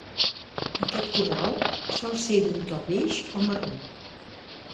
Aquest corral sol ser d'un to beix o marró.